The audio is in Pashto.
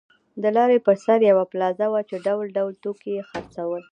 د لارې پر سر یوه پلازه وه چې ډول ډول توکي یې خرڅول.